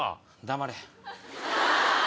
黙れ。